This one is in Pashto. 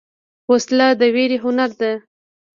وسله د ویرې هنر ده